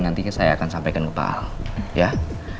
nanti saya akan sampaikan kepadamu